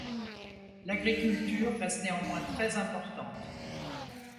L'agriculture reste néanmoins très importante.